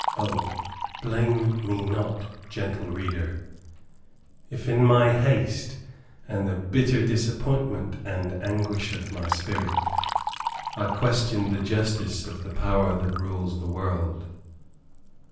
O, blame me not, gentle reader, if in my haste, and the bitter disappointment and anguish of my spirit, I questioned the justice of the power that rules the world.